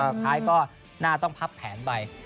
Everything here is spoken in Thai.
แล้วหลายก็น่าว่าต้องพับแผนไป